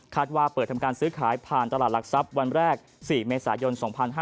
ว่าเปิดทำการซื้อขายผ่านตลาดหลักทรัพย์วันแรก๔เมษายน๒๕๕๙